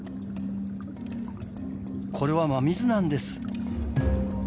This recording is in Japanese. これは真水なんです。